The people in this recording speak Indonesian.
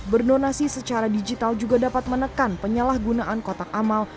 berdonasi secara digital juga dapat menekan penyalahgunaan kotak amal